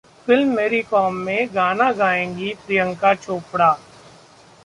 film 'Mary Kom' में गाना गाएंगी प्रियंका चोपड़ा